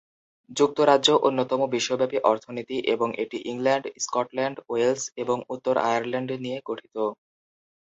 যুক্তরাজ্য অন্যতম বিশ্বব্যাপী অর্থনীতি এবং এটি ইংল্যান্ড, স্কটল্যান্ড, ওয়েলস এবং উত্তর আয়ারল্যান্ড নিয়ে গঠিত।